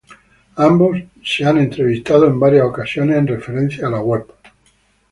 Ambos han sido entrevistados en varias ocasiones en referencia a la web.